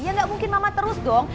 ya gak mungkin mama terus dong